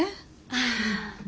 ああ。